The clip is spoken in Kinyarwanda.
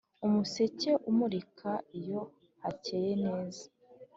Umuseke umurika iyo hakeye neza,